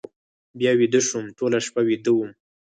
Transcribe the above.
بیا ویده شوم، ټوله شپه ویده وم.